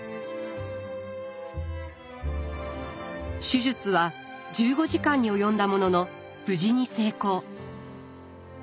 手術は１５時間に及んだものの無事に成功。